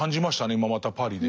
今またパリで。